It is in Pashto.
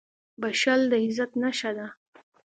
• بښل د عزت نښه ده.